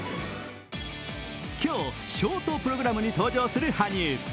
今日、ショートプログラムに登場する羽生。